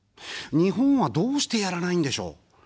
日本は、どうしてやらないんでしょう。